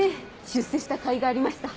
出世したかいがありました。